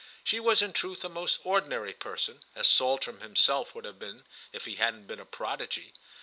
She was in truth a most ordinary person, as Saltram himself would have been if he hadn't been a prodigy.